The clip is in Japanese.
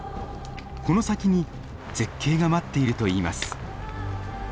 この先に絶景が待っているといいます。